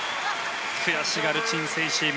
悔しがるチン・セイシン。